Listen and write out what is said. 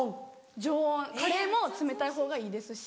常温カレーも冷たいほうがいいですし。